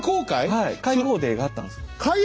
はい開放デーがあったんです。